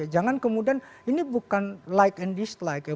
jangan kemudian ini bukan like and dislike ya